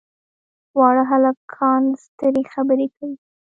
واړه هلکان سترې خبرې کوي.